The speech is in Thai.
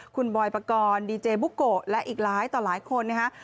คุณบอยปกรณ์ดีเจบุโกะและอีกหลายต่อหลายคนนะฮะ